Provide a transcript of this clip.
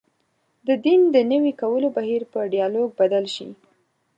د دین د نوي کولو بهیر په ډیالوګ بدل شي.